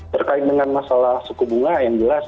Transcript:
terkait dengan masalah suku bunga yang jelas